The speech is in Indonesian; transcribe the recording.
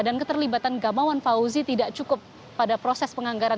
dan keterlibatan gamawan fauzi tidak cukup pada proses penganggaran